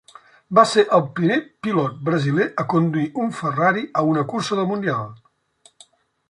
Va ser el primer pilot brasiler a conduir un Ferrari a una cursa del mundial.